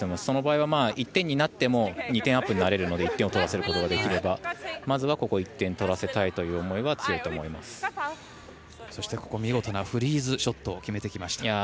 その場合は、１点になっても２点アップになれるので１点を取らせることができればまずはここ１点取らせたいというそして、見事なフリーズショットを決めてきました。